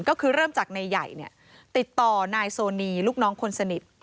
ก็คือเริ่มจากนายใหญ่ติดต่อนายโซนีลูกน้องคนสนิท